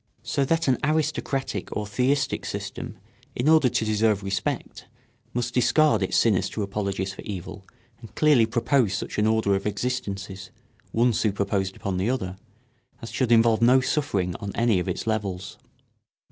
So that an aristocratic or theistic system in order to deserve respect must discard its sinister apologies for evil and clearly propose such an order of existences, one superposed upon the other, as should involve no suffering on any of its levels.